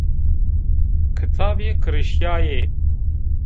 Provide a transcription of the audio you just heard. Kitabî kirişîyayê